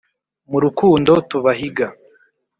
mu rukundo tubahiga